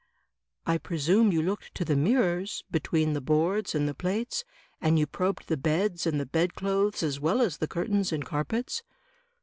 "I prestune you looked to the mirrors, between the boards and the plates, and you probed the beds and the bed dothes, as well as the curtains and carpets."